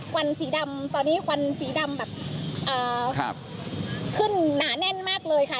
วันสีดำตอนนี้ควันสีดำแบบขึ้นหนาแน่นมากเลยค่ะ